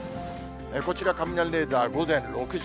こちら、雷レーダー、午前６時。